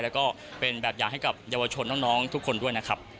แล้วก็เป็นแบบอย่างให้กับเยาวชนน้องทุกคนด้วยนะครับ